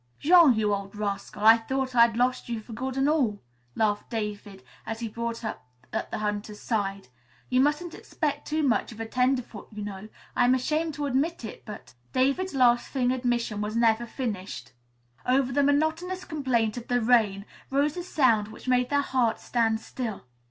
"Jean, you old rascal, I thought I'd lost you for good and all," laughed David as he brought up at the hunter's side. "You mustn't expect too much of a tenderfoot, you know. I'm ashamed to admit it, but " David's laughing admission was never finished. Over the monotonous complaint of the rain rose a sound which made their hearts stand still.